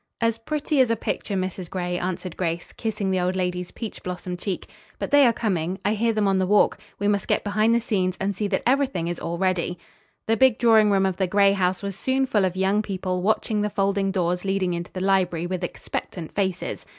"As pretty as a picture, Mrs. Gray," answered Grace, kissing the old lady's peach blossom cheek. "But they are coming. I hear them on the walk. We must get behind the scenes and see that everything is all ready." The big drawing room of the Gray house was soon full of young people watching the folding doors leading into the library with expectant faces.